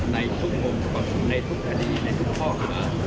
ในทุกข้อมูลในทุกทะดีในทุกข้อครับ